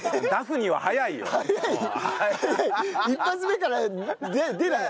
１発目から出ない？